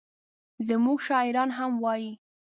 زموږ شاعران هم وایي.